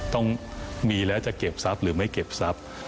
ต้องมีแล้วจะเก็บทรัพย์หรือไม่เก็บทรัพย์